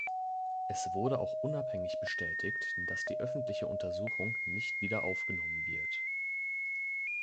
Es wurde auch unabhängig bestätigt, dass die öffentliche Untersuchung nicht wieder aufgenommen wird.